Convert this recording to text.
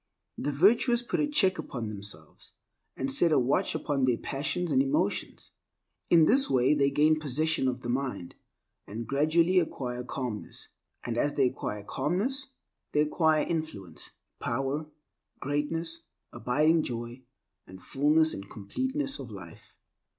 The virtuous put a check upon themselves, and set a watch upon their passions and emotions. In this way they gain possession of the mind, and gradually acquire calmness. And as they acquire calmness, they acquire influence, power, greatness, abiding joy, and fullness and completeness of life.